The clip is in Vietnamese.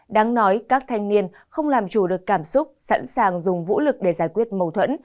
đáng nói các thanh niên không làm chủ được cảm xúc sẵn sàng dùng vũ lực để giải quyết mâu thuẫn